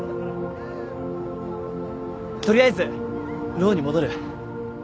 取りあえずローに戻る？